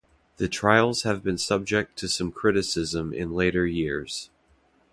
The trials have been subject to some criticism in later years.